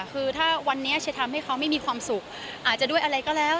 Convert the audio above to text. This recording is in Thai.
คือถ้าวันนี้จะทำให้เขาไม่มีความสุขอาจจะด้วยอะไรก็แล้ว